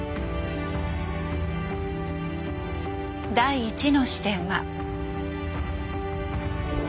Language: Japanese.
第１の視点は。